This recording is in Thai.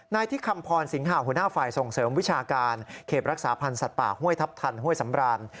ที่คำพรสิงหาหัวหน้าฝ่ายส่งเสริมวิชาการเขตรักษาพันธ์สัตว์ป่าห้วยทัพทันห้วยสำราน